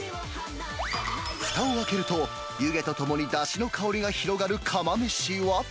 ふたを開けると、湯気とともにだしの香りが広がる釜飯は。